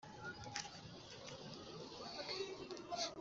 mu Gihugu no hanze yacyo niho bikorerwa